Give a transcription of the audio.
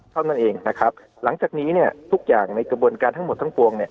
เท่านั้นเองนะครับหลังจากนี้เนี่ยทุกอย่างในกระบวนการทั้งหมดทั้งปวงเนี่ย